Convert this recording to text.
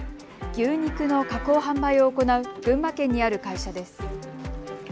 牛肉の加工・販売を行う群馬県にある会社です。